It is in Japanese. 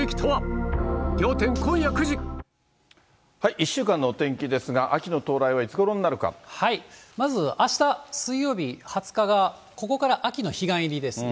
１週間のお天気ですが、まず、あした水曜日２０日が、ここから秋の彼岸入りですね。